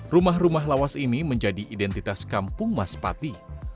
rumah rumah lawas ini menjadi identitas kampung mas pati